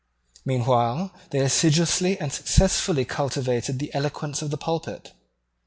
Meanwhile they assiduously and successfully cultivated the eloquence of the pulpit.